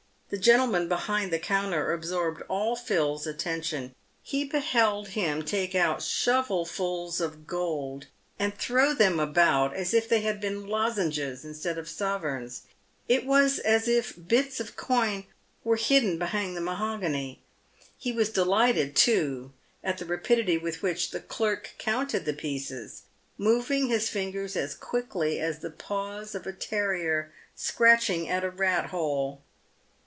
The gentleman behind the counter absorbed all Phil's attention. He beheld him take out shovelfuls of gold and throw them about as if they had been lozenges instead of sovereigns. It was as if bins of coin were hidden behind the mahogany. He was delighted, too, at the rapidity with which the clerk counted the pieces, moving his fingers as quickly as the paws of a terrier scratching at a rat hole.